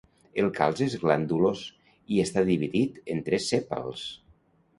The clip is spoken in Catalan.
El calze és glandulós i està dividit en tres sèpals.